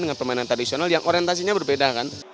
dengan permainan tradisional yang orientasinya berbeda kan